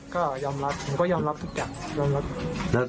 ก็ยอมรับผมก็ยอมรับทุกอย่าง